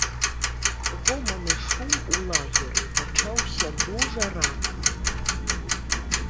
Гоман і шум у лагеры пачаўся дужа рана.